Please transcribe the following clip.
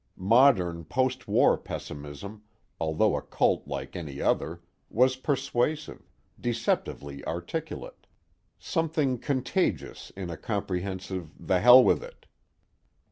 Modern postwar pessimism, although a cult like any other, was persuasive, deceptively articulate. Something contagious in a comprehensive the hell with it.